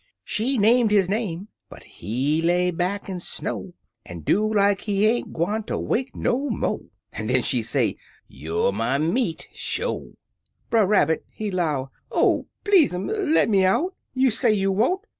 She named his name, but he lay back an' sno'. An' do like he ain't gwtneter wake no mo'. An' den she say, "You're my meat, sho!" Brer Rabbit he 'low, " Oh, please, 'm, le' me outi You say you won't